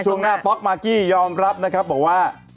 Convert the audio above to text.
ช่วงหน้าป๊อกมากกี้ยอมรับนะครับบอกว่า